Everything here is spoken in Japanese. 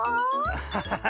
アハハハ。